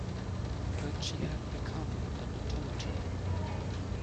But she had become an automaton.